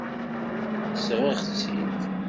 Sɣiɣ-tt-id.